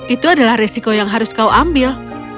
itu adalah resiko yang harus kau ambil